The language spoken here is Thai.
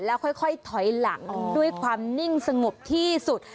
แล้วค่อยถอยหลังด้วยความนิ่งสงบที่สุด